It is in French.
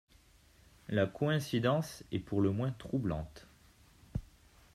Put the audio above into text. La coïncidence est pour le moins troublante.